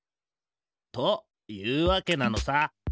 というわけなのさ。